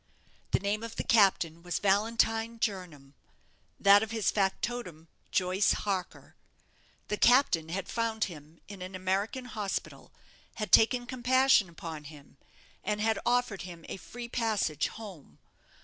The name of the captain was Valentine Jernam, that of his factotum Joyce Harker. The captain had found him in an American hospital, had taken compassion upon him, and had offered him a free passage home.